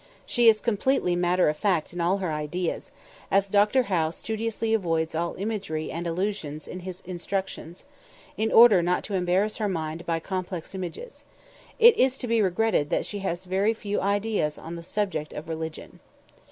She is completely matter of fact in all her ideas, as Dr. Howe studiously avoids all imagery and illustration in his instructions, in order not to embarrass her mind by complex images. It is to be regretted that she has very few ideas on the subject of religion.